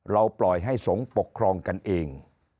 ปล่อยให้สงฆ์ปกครองกันเอง